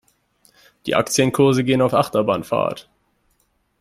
Die Aktienkurse gehen auf Achterbahnfahrt.